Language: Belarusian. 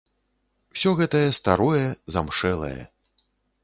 Усё гэтае старое, замшэлае.